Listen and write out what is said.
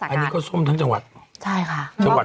อันนี้ก็ส้มทั้งจังหวัดใช่ค่ะ